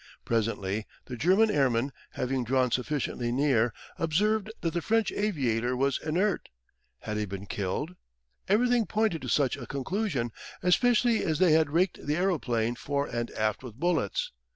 Presently the German airmen, having drawn sufficiently near, observed that the French aviator was inert. Had he been killed? Everything pointed to such a conclusion, especially as they had raked the aeroplane fore and aft with bullets.